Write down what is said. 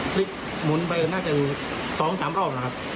พลิกหมุนไปน่าจะ๒๓รอบแล้วครับ